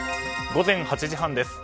午前８時半です。